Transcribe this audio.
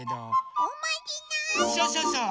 そうそうそう！